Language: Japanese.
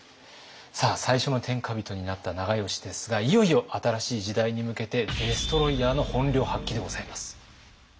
さあ最初の天下人になった長慶ですがいよいよ新しい時代に向けてデストロイヤーの本領発揮でございます。